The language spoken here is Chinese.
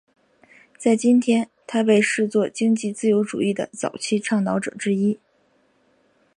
在今天他被视作经济自由主义的早期倡导者之一。